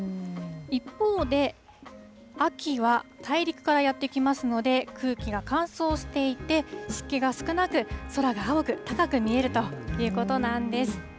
一方で、秋は大陸からやって来ますので、空気が乾燥していて、湿気が少なく、空が青く、高く見えるということなんです。